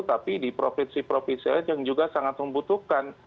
tapi di provinsi provinsi lain yang juga sangat membutuhkan